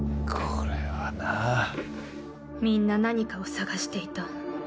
みんな何かを捜していた。